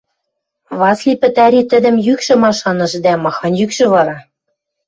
Васли пӹтӓри тӹдӹм йӱкшӹ машаныш, дӓ махань йӱкшӹ вара?